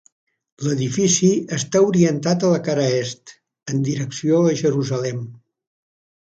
L'edifici està orientat a la cara est, en direcció a Jerusalem.